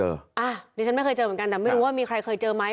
อันนี้ฉันไม่เคยเจอเหมือนกันแต่ไม่รู้ว่ามีใครเคยเจอไหม